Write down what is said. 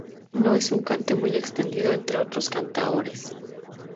No es un cante muy extendido entre otros cantaores.